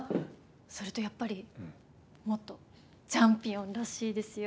それとやっぱり元チャンピオンらしいですよ。